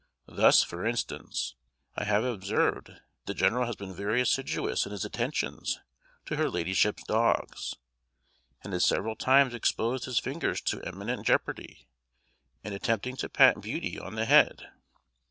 Thus, for instance, I have observed that the general has been very assiduous in his attentions to her ladyship's dogs, and has several times exposed his fingers to imminent jeopardy in attempting to pat Beauty on the head.